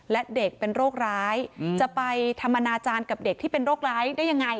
และเด็กเป็นโรคร้ายจะไปทำอนาจารย์กับเด็กที่เป็นโรคร้ายได้ยังไง